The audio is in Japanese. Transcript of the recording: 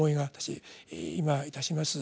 今いたします。